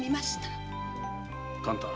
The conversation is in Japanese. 勘太。